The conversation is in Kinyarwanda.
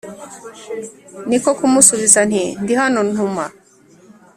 Ni ko kumusubiza nti «Ndi hano, ntuma!»